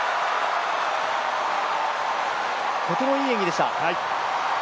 とてもいい演技でした。